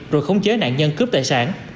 rồi khống chế nạn nhân cướp tài sản